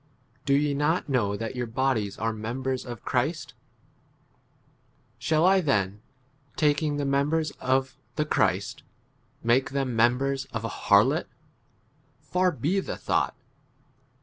15 Do ye not know that your bodies are members of Christ? Shall I then, taking the members of the Christ, make [them] members of a 16 harlot? Far be the thought.